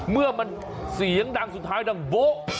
เมื่อมันเสียงดังสุดท้ายดังโบ๊ะ